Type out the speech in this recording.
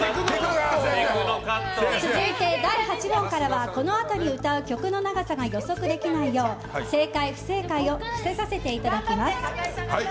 続いて、第８問からはこのあとに歌う曲の長さが予測できないよう正解・不正解を伏せさせていただきます。